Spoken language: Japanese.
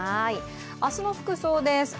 明日の服装です。